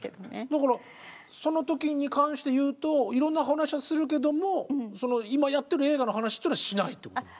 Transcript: だからその時に関して言うといろんな話はするけども今やってる映画の話っていうのはしないってこと？